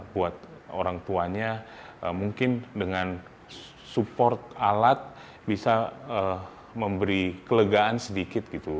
buat orang tuanya mungkin dengan support alat bisa memberi kelegaan sedikit gitu